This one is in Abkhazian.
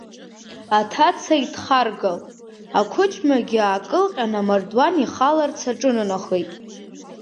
Аҭацагь дхаргалт, ақәыџьмагьы аакылҟьан амардуан ихаларц аҿынанахеит.